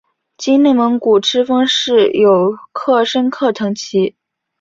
今内蒙古赤峰市有克什克腾旗。